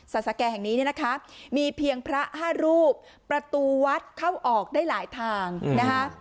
สแก่แห่งนี้เนี่ยนะคะมีเพียงพระห้ารูปประตูวัดเข้าออกได้หลายทางนะคะ